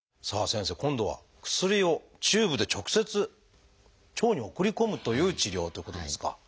先生今度は薬をチューブで直接腸に送り込むという治療ということですか？